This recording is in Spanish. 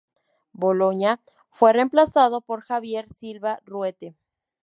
Boloña fue reemplazado por Javier Silva Ruete.